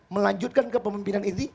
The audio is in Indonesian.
melanjutkan kepemimpinan ini